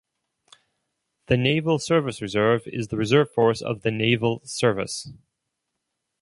The Naval Service Reserve is the reserve force of the Naval Service.